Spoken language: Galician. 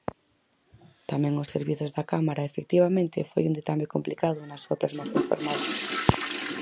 Tamén aos servizos da Cámara; efectivamente, foi un ditame complicado na súa plasmación formal.